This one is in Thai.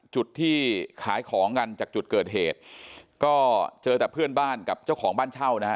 จุดที่ขายของกันจากจุดเกิดเหตุก็เจอแต่เพื่อนบ้านกับเจ้าของบ้านเช่านะฮะ